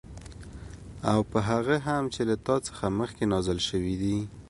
او په هغه هم چې له تا څخه مخكي نازل شوي دي